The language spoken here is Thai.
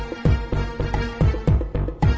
กินโทษส่องแล้วอย่างนี้ก็ได้